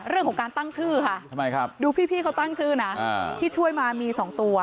เรื่องของการตั้งชื่อค่ะดูพี่เขาตั้งชื่อนะที่ช่วยมามี๒ตัว